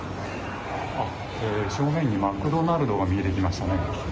正面にマクドナルドが見えてきましたね。